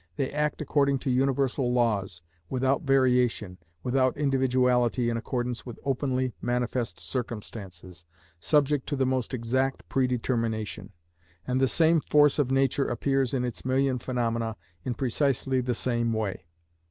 They act according to universal laws, without variation, without individuality in accordance with openly manifest circumstances, subject to the most exact predetermination; and the same force of nature appears in its million phenomena in precisely the same way.